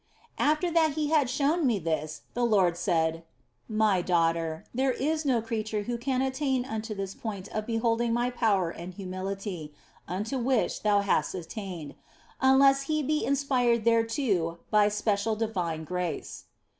OF FOLIGNO 173 After that He had shown me this, the Lord said :" My daughter, there is no creature who can attain unto this point of beholding My power and humility (unto which thou hast attained) unless he be inspired thereto by special divine grace."